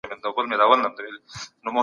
ولي خلک په هرات کي صنعتي کار ته مخه کوي؟